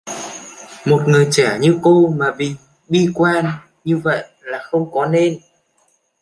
Một người trẻ như cô mà bi quan như vậy là không có nên